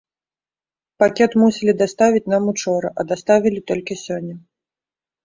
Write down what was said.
Пакет мусілі даставіць нам учора, а даставілі толькі сёння.